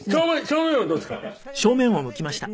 正面はどうですか？